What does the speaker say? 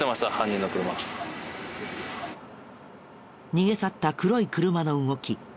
逃げ去った黒い車の動き。